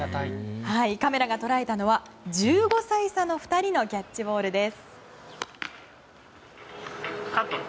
カメラが捉えたのは１５歳差の２人のキャッチボールです。